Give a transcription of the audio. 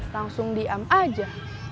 langsung diam aja